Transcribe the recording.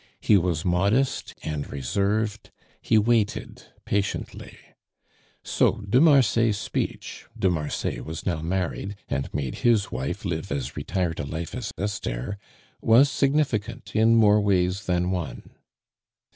He was modest and reserved; he waited patiently. So de Marsay's speech de Marsay was now married, and made his wife live as retired a life as Esther was significant in more ways that one.